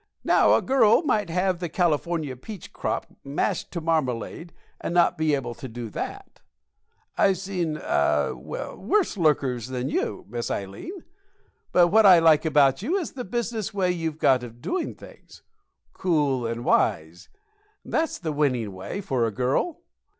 Now, a girl might have the California peach crop mashed to a marmalade and not be able to do that. I've seen er worse lookers than you, Miss Ileen; but what I like about you is the business way you've got of doing things. Cool and wise that's the winning way for a girl.